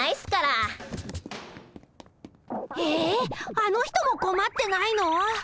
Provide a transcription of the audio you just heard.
あの人もこまってないの。